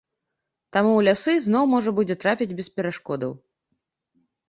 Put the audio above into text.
Таму ў лясы зноў можна будзе трапіць без перашкодаў.